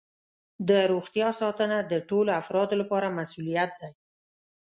د روغتیا ساتنه د ټولو افرادو لپاره مسؤولیت دی.